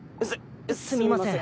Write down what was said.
すすみません。